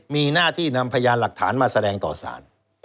มีหน้าที่นำพยานหลักฐานมาแสดงต่อสาร